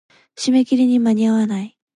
締め切りに間に合わない。